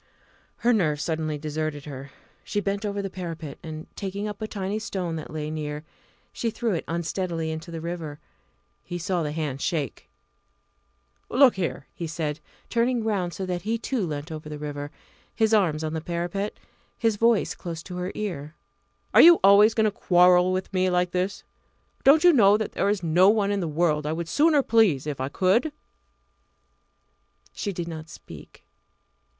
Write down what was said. Her nerve suddenly deserted her. She bent over the parapet, and, taking up a tiny stone that lay near, she threw it unsteadily into the river. He saw the hand shake. "Look here," he said, turning round so that he too leant over the river, his arms on the parapet, his voice close to her ear. "Are you always going to quarrel with me like this? Don't you know that there is no one in the world I would sooner please if I could?" She did not speak.